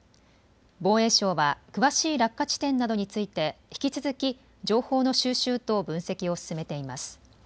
防衛省は詳しい落下地点などについて引き続き情報の収集と分析を進めています。